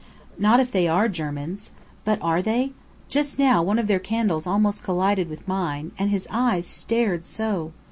"Not if they are Germans. But are they? Just now one of their candles almost collided with mine, and his eyes stared so!